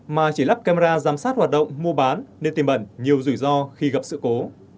mà chỉ lắp camera giám sát hoạt động mua bán nên tìm ẩn nhiều rủi ro khi gặp sự cố